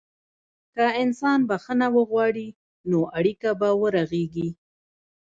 که انسان بخښنه وغواړي، نو اړیکه به ورغېږي.